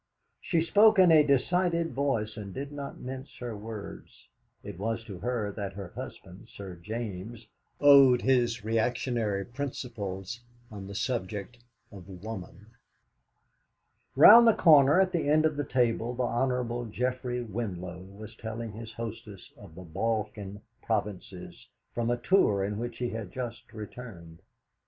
She spoke in a decided voice, and did not mince her words. It was to her that her husband, Sir James, owed his reactionary principles on the subject of woman. Round the corner at the end of the table the Hon. Geoffrey Winlow was telling his hostess of the Balkan Provinces, from a tour in which he had just returned.